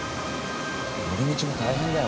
寄り道も大変だよ